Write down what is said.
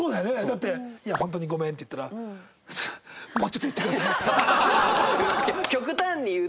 だって「いや本当にごめん」って言ったら「もうちょっと言ってください」。